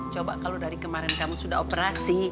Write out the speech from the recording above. coba kalau dari kemarin kamu sudah operasi